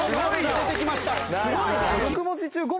すごいよ！